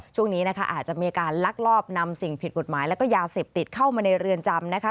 ช่วงนี้นะคะอาจจะมีการลักลอบนำสิ่งผิดกฎหมายแล้วก็ยาเสพติดเข้ามาในเรือนจำนะคะ